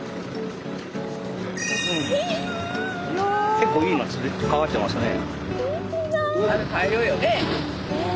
結構いいのかかってますね。